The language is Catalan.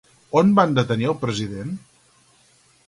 On van detenir el president?